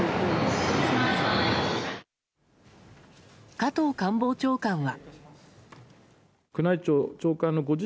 加藤官房長官は。